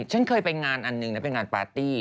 ฉันเคยไปงานอันหนึ่งนะเป็นงานปาร์ตี้